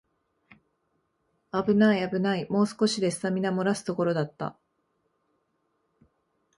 あぶないあぶない、もう少しでスタミナもらすところだった